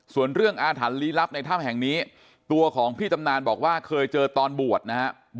ส่วนเรื่องอาถรรพลี้ลับในถ้ำแห่งนี้ตัวของพี่ตำนานบอกว่าเคยเจอตอนบวชนะฮะ